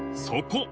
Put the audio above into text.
そこ！